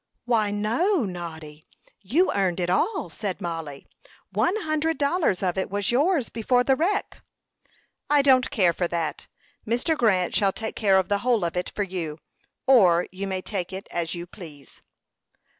"Why, no, Noddy. You earned it all," said Mollie. "One hundred dollars of it was yours before the wreck." "I don't care for that. Mr. Grant shall take care of the whole of it for you, or you may take it, as you please."